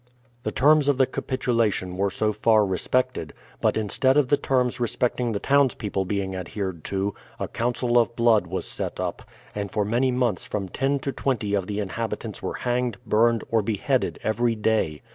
The terms of the capitulation were so far respected; but instead of the terms respecting the townspeople being adhered to, a council of blood was set up, and for many months from ten to twenty of the inhabitants were hanged, burned, or beheaded every day.